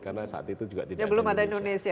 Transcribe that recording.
karena saat itu juga tidak ada indonesia